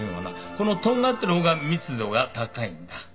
このとんがってる方が密度が高いんだ。